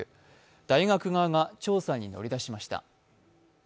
大学側が調査に乗り出しました。